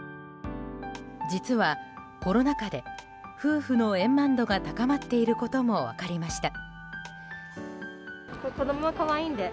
実はコロナ禍で夫婦の円満度が高まっていることも分かりました。